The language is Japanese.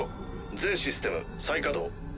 全システム再稼働。